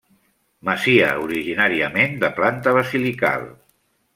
Masia originàriament de planta basilical.